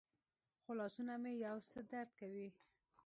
خو لاسونه مې یو څه درد کوي.